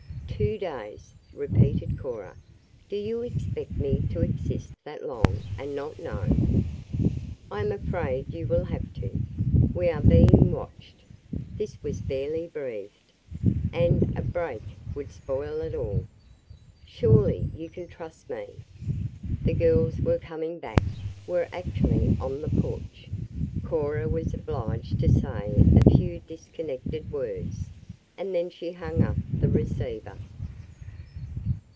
"Two days!" repeated Cora. "Do you expect me to exist that long and not know " "I am afraid you will have to. We are being watched" this was barely breathed "and a break would spoil it all. Surely you can trust me." The girls were coming back were actually on the porch. Cora was obliged to say a few disconnected words, and then she hung up the receiver.